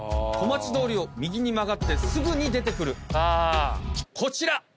小町通りを右に曲がってすぐに出てくるこちら！